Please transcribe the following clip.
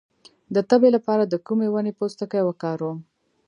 د تبې لپاره د کومې ونې پوستکی وکاروم؟